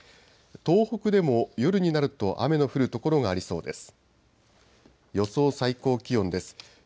東北でも夜になると雨の降る所がありそうです。